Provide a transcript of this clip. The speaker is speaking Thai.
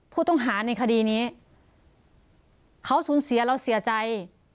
ผู้ต้องหาในคดีนี้เขาสูญเสียเราเสียใจ